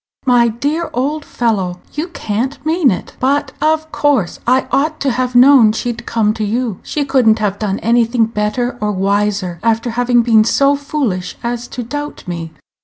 My dear old fellow, you can't mean it. But, of course, I ought to have known she'd come to you. She could n't have done anything better or wiser, after having been so foolish as to doubt me."